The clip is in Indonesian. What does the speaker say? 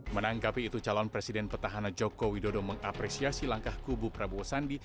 menangkapi itu calon presiden petahana jokowi dodo mengapresiasi langkah kubu prabowo sandi